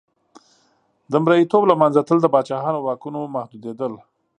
د مریتوب له منځه تلل د پاچاهانو واکونو محدودېدل.